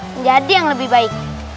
menjadi yang lebih baik